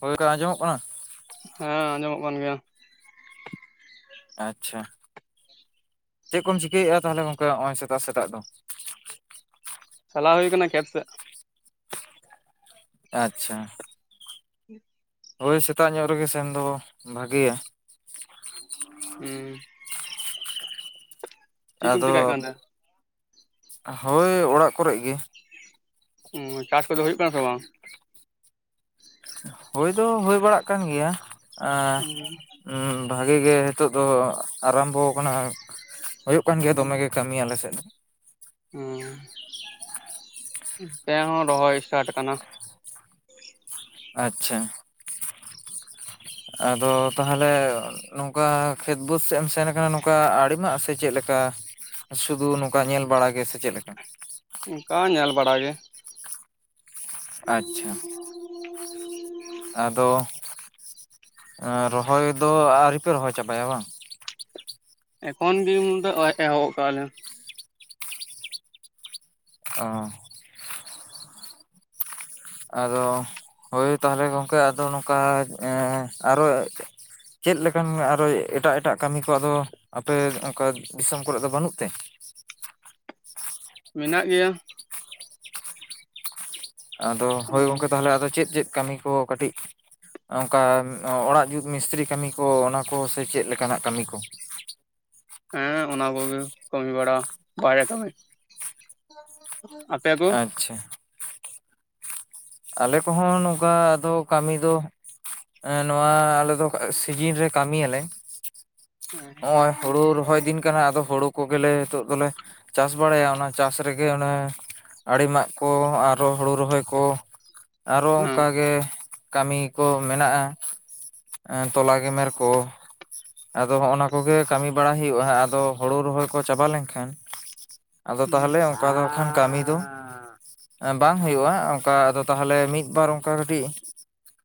ᱦᱳᱭ [inaudible] ᱟᱸᱡᱚᱢᱚᱜ ᱠᱟᱱᱟ? ᱦᱮᱸ ᱟᱸᱡᱚᱢᱚᱜ ᱠᱟᱱ ᱜᱮᱭᱟ ᱾ ᱟᱪᱪᱷᱟ ᱪᱮᱫ ᱠᱚᱢ ᱪᱤᱠᱟᱹᱭᱮᱫᱼᱟ ᱛᱟᱦᱚᱞᱮ ᱜᱚᱝᱠᱮ ᱱᱚᱜᱚᱭ ᱥᱮᱛᱟᱜ ᱥᱮᱛᱟᱜ ᱫᱚ? ᱪᱟᱞᱟᱣ ᱦᱩᱭ ᱠᱟᱱᱟ ᱠᱷᱮᱛ ᱥᱮᱫ ᱟᱪᱪᱷᱟ [inaudible] ᱦᱳᱭ ᱥᱮᱛᱟᱜ ᱧᱚᱜ ᱨᱮᱜᱮ ᱥᱮᱱ ᱫᱚ ᱵᱷᱟᱜᱮᱭᱟ ᱾ ᱦᱩᱸ ᱪᱮᱫ ᱠᱚᱢ ᱪᱮᱠᱟᱭᱮᱫ ᱟᱫᱚ, ᱠᱟᱱ ᱛᱮ ᱦᱳᱭ ᱚᱲᱟᱜ ᱠᱚᱨᱮᱜ ᱜᱮ ᱾ [unintelligible] ᱪᱟᱥ ᱠᱚᱫᱚ ᱦᱩᱭᱩᱜ ᱠᱟᱱᱟ ᱥᱮ ᱵᱟᱝ? ᱦᱳᱭ ᱫᱚ ᱦᱳᱭ ᱵᱟᱲᱟᱜ ᱠᱟᱱ ᱜᱮᱭᱟ, ᱟᱸ ᱵᱷᱟᱜᱮ ᱜᱮ ᱦᱮᱛᱚᱜ ᱫᱚ ᱟᱨᱟᱢᱵᱚ ᱠᱟᱱᱟ ᱦᱩᱭᱩᱜ ᱠᱟᱱ ᱜᱮᱭᱟ ᱫᱚᱢᱮ ᱜᱮ ᱠᱟᱹᱢᱤ ᱟᱞᱮ ᱥᱮᱫ ᱦᱩᱸ ᱛᱮ ᱦᱚᱸ ᱨᱚᱦᱚᱭ ᱥᱴᱟᱴ ᱠᱟᱱᱟ ᱟᱪᱪᱷᱟ ᱟᱫᱚ ᱛᱟᱦᱚᱞᱮ ᱱᱚᱝᱠᱟ ᱠᱷᱮᱛ ᱵᱟᱹᱫᱽ ᱥᱮᱫ ᱮᱢ ᱥᱮᱱ ᱠᱟᱱᱟ ᱱᱚᱝᱠᱟ ᱟᱲᱮ ᱢᱟᱜ ᱥᱮ ᱪᱮᱫᱞᱮᱠᱟ? ᱥᱩᱫᱩ ᱱᱚᱝᱠᱟ ᱧᱮᱞ ᱵᱟᱲᱟᱜᱮ ᱥᱮ ᱪᱮᱫᱞᱮᱠᱟ? ᱚᱝᱠᱟ ᱧᱮᱞ ᱵᱟᱲᱟ ᱜᱮ ᱟᱪᱪᱷᱟ ᱟᱫᱚ ᱨᱚᱦᱚᱭ ᱫᱚ ᱟᱹᱣᱨᱤᱯᱮ ᱨᱚᱦᱚᱭ ᱪᱟᱵᱟᱭᱟ ᱵᱟᱝ? ᱮᱠᱷᱚᱱ ᱫᱤᱱ ᱫᱚ [unintelligible] ᱮᱦᱚᱵ ᱠᱟᱫ ᱟᱞᱮ ᱚ ᱟᱫᱚ ᱦᱳᱭ ᱛᱟᱦᱚᱞᱮ ᱜᱚᱢᱠᱮ ᱟᱫᱚ ᱱᱚᱝᱠᱟ ᱮ ᱟᱨᱚ ᱪᱮᱫ ᱞᱮᱠᱟᱱ ᱟᱨᱚ ᱮᱴᱟᱜ ᱮᱴᱟᱜ ᱠᱟᱢᱤ ᱠᱚ ᱟᱫᱚ ᱟᱯᱮ ᱚᱱᱠᱟ ᱫᱤᱥᱚᱢ ᱠᱚᱨᱮᱫ ᱫᱚ ᱵᱟᱹᱱᱩᱜ ᱛᱮ? ᱢᱮᱱᱟᱜ ᱜᱮᱭᱟ ᱟᱫᱚ ᱦᱳᱭ ᱜᱚᱝᱠᱮ ᱛᱟᱦᱚᱞᱮ ᱟᱫᱚ ᱪᱮᱫ ᱪᱮᱫ ᱠᱟᱢᱤ ᱠᱚ ᱠᱟᱹᱴᱤᱡ ᱚᱱᱠᱟ ᱚᱲᱟᱜ ᱡᱩᱛ ᱢᱤᱥᱛᱨᱤ ᱠᱟᱹᱢᱤ ᱠᱚ ᱚᱱᱟ ᱠᱚ ᱥᱮ ᱪᱮᱫ ᱞᱮᱠᱟᱱᱟᱜ ᱠᱟᱹᱢᱤ ᱠᱚ? ᱦᱮᱸ ᱚᱱᱟ ᱠᱚᱜᱮ ᱠᱟᱹᱢᱤ ᱵᱟᱲᱟ ᱵᱟᱭᱨᱮ ᱠᱟᱹᱢᱤ ᱟᱯᱮ ᱠᱚ ᱟᱪᱪᱷᱟ ᱟᱞᱮ ᱠᱚᱦᱚᱸ ᱱᱚᱝᱠᱟ ᱟᱫᱚ ᱠᱟᱹᱢᱤ ᱫᱚ ᱮ ᱱᱚᱣᱟ ᱟᱞᱮ ᱫᱚ ᱥᱤᱡᱤᱱ ᱨᱮ ᱠᱟᱹᱢᱤᱭᱟᱞᱮ ᱦᱚᱜ ᱦᱮᱸ ᱚᱚᱭ ᱦᱳᱲᱳ ᱨᱚᱦᱚᱭ ᱫᱤᱱ ᱠᱟᱱᱟ ᱟᱫᱚ ᱦᱳᱲᱳ ᱠᱚᱜᱮᱞᱮ ᱱᱤᱛᱚᱜ ᱫᱚᱞᱮ ᱪᱟᱥ ᱵᱟᱲᱟᱭᱟ ᱚᱱᱟ ᱪᱟᱥ ᱨᱮᱜᱮ ᱚᱱᱮ ᱟᱲᱮ ᱢᱟᱜ ᱠᱚ ᱟᱨᱚ ᱦᱳᱲᱳ ᱨᱚᱦᱚᱭ ᱠᱚ ᱟᱨᱚ ᱚᱱᱠᱟ ᱜᱮ ᱾ᱠᱟᱹᱢᱤ ᱠᱚ, ᱢᱮᱱᱟᱜᱼᱟ᱾ ᱮᱸ ᱛᱚᱞᱟ ᱜᱮᱢᱮᱨ ᱠᱚ᱾ ᱟᱫᱚ ᱦᱚᱸᱜᱼ ᱱᱟ ᱾ᱠᱚ-ᱜᱮ ᱠᱟᱹᱢᱤ ᱵᱟᱲᱟ ᱦᱩᱭᱩᱜᱼᱟ ᱾ᱟᱫᱚ ᱦᱳᱲᱩ ᱨᱚᱦᱚᱭ ᱠᱚ, ᱪᱟᱵᱟ ᱞᱮᱱᱠᱷᱟᱱ᱾ ᱟᱫᱚ ᱛᱟᱦᱚᱞᱮ, ᱚᱱᱠᱟ ᱫᱚ ᱠᱷᱟᱱ ᱠᱟᱹᱢᱤ ᱫᱚ᱾ ᱵᱟᱝ ᱦᱩᱭᱩᱜᱼᱟ᱾ ᱚᱱᱠᱟ ᱟᱫᱚ ᱛᱟᱦᱞᱮ, ᱢᱤᱫ-ᱵᱟᱨ ᱚᱱᱠᱟ ᱠᱟᱹᱴᱤᱡ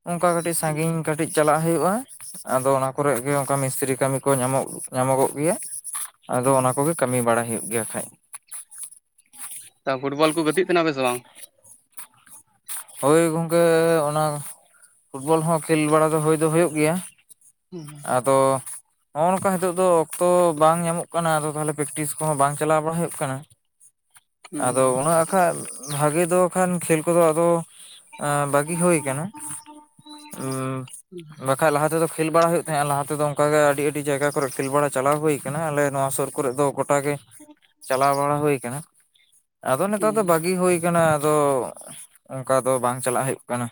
ᱚᱱᱠᱟ ᱠᱟᱹᱴᱤᱡ, ᱥᱟᱺᱜᱤᱧ ᱠᱟᱹᱴᱤᱡ᱾ ᱪᱟᱞᱟ-ᱜ ᱦᱩᱭᱩᱜᱼᱟ ᱾ᱟᱫᱚ ᱚᱱᱟ ᱠᱚᱨᱮ ᱜᱮ, ᱚᱱᱠᱟ ᱢᱤᱥᱛᱨᱤ ᱠᱟᱹᱢᱤ ᱠᱚ ᱧᱟᱢᱚᱜᱚ-ᱜ ᱜᱮᱭᱟ᱾ ᱟᱫᱚ ᱚᱱᱟ ᱠᱚ-ᱜᱮ ᱠᱟᱹᱢᱤ ᱵᱟᱲᱟ-ᱭ, ᱦᱩᱭᱩ-ᱜ ᱜᱮᱭᱟ᱾ ᱠᱷᱟᱡ ᱛᱚ ᱯᱷᱩᱴᱵᱚᱞ ᱠᱚ ᱾ᱜᱟᱛᱮᱜ ᱠᱟᱱᱟᱯᱮ᱾ ᱥᱮ ᱵᱟᱝ? ᱦᱳᱭ᱾ ᱜᱚᱝᱠᱮ ᱚᱱᱟ ᱯᱷᱩᱴᱵᱚᱞ ᱦᱚᱸ, ᱠᱷᱮᱞ ᱵᱟᱲᱟ ᱾ᱫᱚ ᱦᱳᱭ ᱫᱚ ᱦᱩᱭᱩ-ᱜ ᱜᱮᱭᱟ᱾ ᱦᱩᱸ᱾ ᱟᱫᱚ᱾ ᱱᱚᱜᱼ ᱱᱚᱝᱠᱟ ᱾ᱱᱤᱛᱚ-ᱜ ᱫᱚ, ᱚᱠᱛᱚ ᱵᱟᱝ ᱧᱟᱢᱚ-ᱜ ᱠᱟᱱᱟ ᱾ᱟᱫᱚ ᱛᱟᱦᱚᱞᱮ ᱯᱮᱠᱴᱤᱥ ᱠᱚᱦᱚᱸ, ᱵᱟᱝ ᱪᱟᱞᱟ-ᱣ ᱵᱟᱲᱟ ᱦᱩᱭᱩ-ᱜ ᱠᱟᱱᱟ᱾ ᱟᱫᱚ ᱦᱩᱸ ᱩᱱᱟᱹᱜ ᱟᱠᱷᱟᱡ, ᱵᱷᱟᱜᱮ ᱫᱚ ᱠᱷᱟᱱ᱾ ᱠᱷᱮᱹᱞ ᱠᱚ-ᱫᱚ ᱟᱫᱚ᱾ ᱟ ᱵᱟᱹᱜᱤ ᱦᱩᱭ ᱟᱠᱟᱱᱟ᱾ ᱵᱟᱠᱷᱟᱡ ᱾ᱞᱟᱦᱟ ᱛᱮ-ᱫᱚ ᱠᱷᱮᱞ ᱵᱟᱲᱟ ᱦᱩᱭᱩᱼᱜ ᱛᱟᱦᱮᱸᱜᱼᱟ ᱾ᱞᱟ ᱛᱮ-ᱫᱚ ᱚᱱᱠᱟᱜᱮ, ᱟᱹᱰᱤ - ᱟᱹᱰᱤ ᱡᱟᱭᱜᱟ ᱠᱚᱨᱮ, ᱠᱷᱮᱞ ᱵᱟᱲᱟ ᱪᱟᱞᱟ-ᱣ ᱦᱩᱭ ᱟᱠᱟᱱᱟ᱾ ᱟᱞᱮ ᱱᱚᱣᱟ ᱥᱩᱨ ᱠᱚᱨᱮ ᱫᱚ ᱜᱚ ᱴᱟ ᱜᱮ ᱾ᱪᱟᱞᱟ-ᱣ ᱵᱟᱲᱟ ᱦᱩᱭ ᱟᱠᱟᱱᱟ᱾ ᱟᱫᱚ ᱱᱮᱛᱟᱨ ᱦᱩᱸ ᱫᱚ, ᱵᱷᱟᱜᱤ ᱦᱩᱭ ᱦᱩᱭᱩ-ᱜ ᱠᱟᱱᱟ᱾ ᱟᱫᱚ ᱚᱱᱠᱟ ᱫᱚ, ᱵᱟᱝ ᱪᱟᱞᱟ-ᱜ ᱦᱩᱭᱩ-ᱜ ᱠᱟᱱᱟ᱾